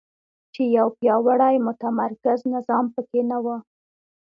چې یو پیاوړی متمرکز نظام په کې نه وو.